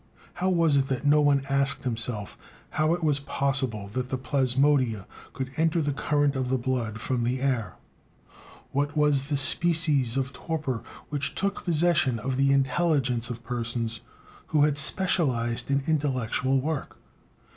How was it that no one asked himself how it was possible that the plasmodia could enter the current of the blood from the air? What was the species of torpor which took possession of the intelligence of persons who had specialized in intellectual work?